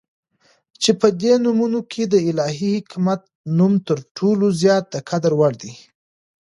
چې په دي نومونو كې دالهي حاكميت نوم تر ټولو زيات دقدر وړ دى